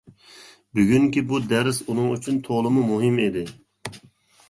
بۈگۈنكى بۇ دەرس ئۇنىڭ ئۈچۈن تولىمۇ مۇھىم ئىدى.